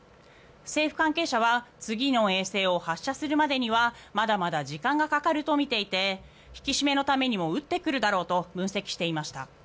政府関係者は次の衛星を発射するまでにはまだまだ時間がかかるとみていて引き締めのためにも撃ってくるだろうと分析していました。